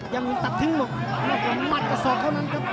ยังถึงตัดทิ้งหมัดกับศอกเท่านั้นครับ